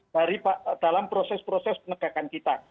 dari dalam proses proses penegakan kita